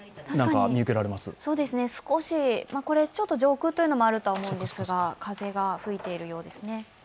確かに、少し、これは上空というのもあるんですが風が吹いているようですね。